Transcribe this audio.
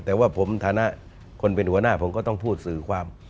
แต่ว่าผมฐานะคนเป็นหัวหน้าผมก็ต้องพูดสื่อความ